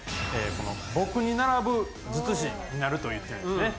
この「僕に並ぶ術師になる」と言ってるんですね。